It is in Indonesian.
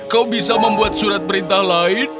kau bisa membuat surat perintah lain